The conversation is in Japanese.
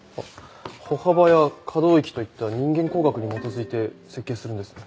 歩幅や可動域といった人間工学に基づいて設計するんですね。